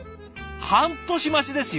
半年待ちですよ